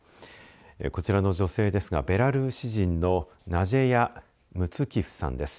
こちらの女性ですがベラルーシ人のナジェヤ・ムツキフさんです。